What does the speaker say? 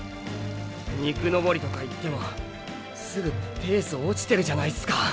肉登りとか言ってもすぐペース落ちてるじゃないすか！！